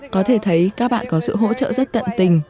có thể thấy các bạn có sự hỗ trợ rất tận tình